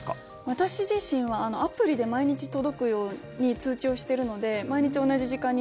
私自身はアプリで毎日届くように通知をしているので毎日同じ時間に